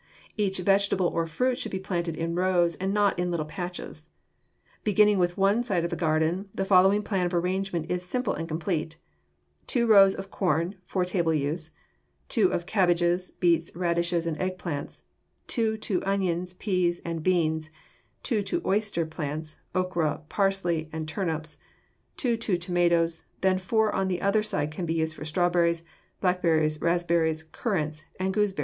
Each vegetable or fruit should be planted in rows, and not in little patches. Beginning with one side of the garden the following plan of arrangement is simple and complete: two rows to corn for table use; two to cabbages, beets, radishes, and eggplants; two to onions, peas, and beans; two to oyster plants, okra, parsley, and turnips; two to tomatoes; then four on the other side can be used for strawberries, blackberries, raspberries, currants, and gooseberries.